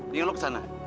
dengar lo ke sana